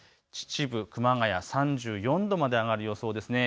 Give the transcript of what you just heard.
秩父、熊谷３４度まで上がる予想です。